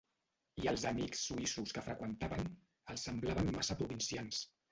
I els amics suïssos que freqüentaven, els semblaven massa provincians.